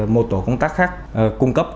một tổ công tác khác cung cấp